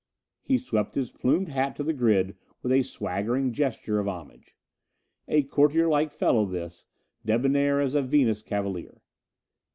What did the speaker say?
He swept his plumed hat to the grid with a swaggering gesture of homage. A courtierlike fellow this, debonair as a Venus cavalier!